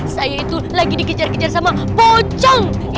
saya itu lagi dikejar kejar sama pocong